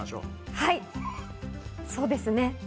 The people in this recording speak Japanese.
はい、そうですね。